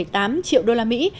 hai tám triệu đô la mỹ